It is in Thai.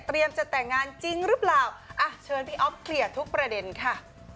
จะแต่งงานจริงหรือเปล่าอ่ะเชิญพี่อ๊อฟเคลียร์ทุกประเด็นค่ะ